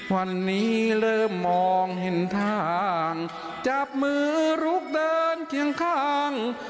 วันนี้เริ่มมองเห็นทางจับมือลุกเดินเคียงข้าง